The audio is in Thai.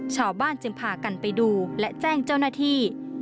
ชาวบ้านจึงพากันไปดูและแจ้งเจ้าหน้าที่